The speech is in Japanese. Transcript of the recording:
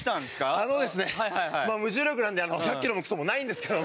あのですねまあ無重力なんで１００キロもクソもないんですけど。